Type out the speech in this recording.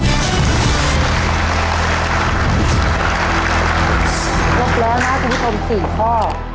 ยกแล้วนะทุกคน๔ข้อ